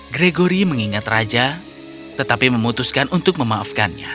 gregory mengingat raja tetapi memutuskan untuk memaafkannya